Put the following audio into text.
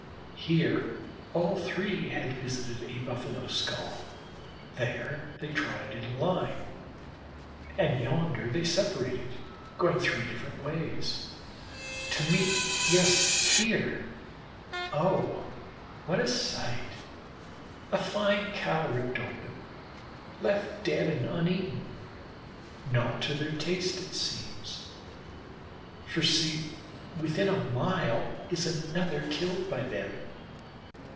Here all three had visited a Buffalo skull; there they trotted in line; and yonder they separated, going three different ways, to meet yes here oh, what a sight, a fine Cow ripped open, left dead and uneaten. Not to their taste, it seems, for see! within a mile is another killed by them.